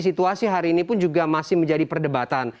situasi hari ini pun juga masih menjadi perdebatan